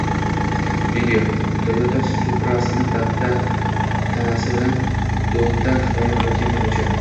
Video: Toyota Supra’sini tanasi bilan do‘ldan himoya qilayotgan haydovchi